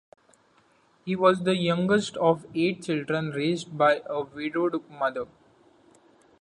He was the youngest of eight children raised by a widowed mother.